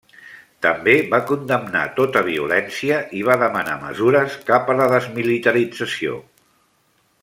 També va condemnar tota violència i va demanar mesures cap a la desmilitarització.